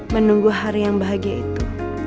menunggu hari yang bahagia itu